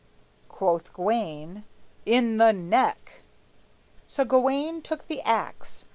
Quoth Gawayne, "In the neck!" So Gawayne took the axe.